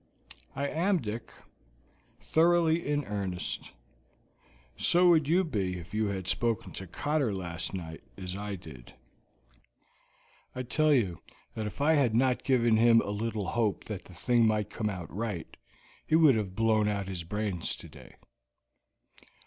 "I am, Dick, thoroughly in earnest; so would you be if you had spoken to Cotter last night, as I did. I tell you that if I had not given him a little hope that the thing might come out right, he would have blown out his brains today."